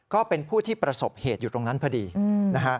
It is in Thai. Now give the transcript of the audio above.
ก็เป็นผู้ที่ประสบเหตุอยู่ตรงนั้นพอดีนะฮะ